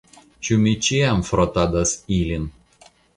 Ĉu mi ĉiam frotadas ilin?